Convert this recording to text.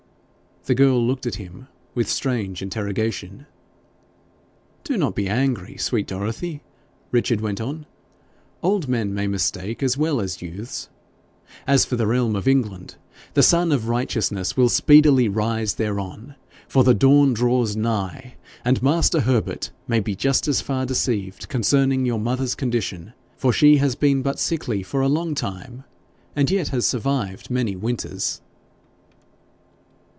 The girl looked at him with strange interrogation. 'Do not be angry, sweet Dorothy,' Richard went on. 'Old men may mistake as well as youths. As for the realm of England, the sun of righteousness will speedily arise thereon, for the dawn draws nigh; and master Herbert may be just as far deceived concerning your mother's condition, for she has been but sickly for a long time, and yet has survived many winters.'